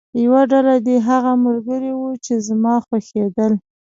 یوه ډله دې هغه ملګري وو چې زما خوښېدل.